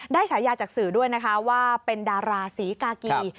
ฉายาจากสื่อด้วยนะคะว่าเป็นดาราศรีกากี